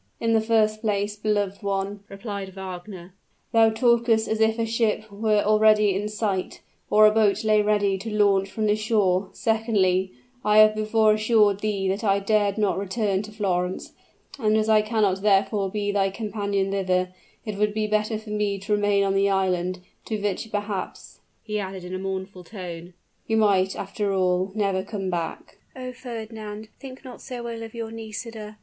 "In the first place, beloved one," replied Wagner, "thou talkest as if a ship were already in sight, or a boat lay ready to launch from this shore; secondly, I have before assured thee that I dared not return to Florence, and that as I cannot therefore be thy companion thither, it would be better for me to remain on the island, to which, perhaps," he added in a mournful tone, "you might, after all, never come back!" "Oh! Fernand, think not so ill of your Nisida!"